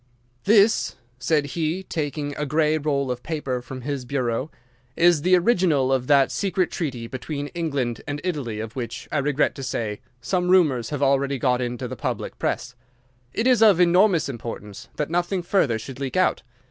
"'This,' said he, taking a grey roll of paper from his bureau, 'is the original of that secret treaty between England and Italy of which, I regret to say, some rumours have already got into the public press. It is of enormous importance that nothing further should leak out.